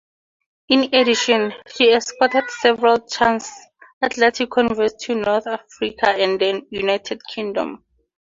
In addition, she escorted several trans-Atlantic convoys to North Africa and the United Kingdom.